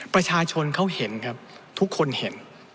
ประชาชนเขาเห็นครับทุกคนเห็น